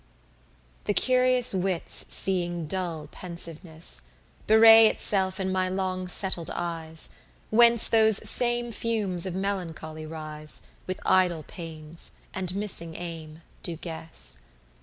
23 The curious wits seeing dull pensiveness Bewray itself in my long settled eyes, Whence those same fumes of melancholy rise, With idle pains, and missing aim, do guess.